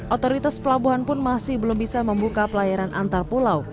otoritas pelabuhan pun masih belum bisa membuka pelayaran antar pulau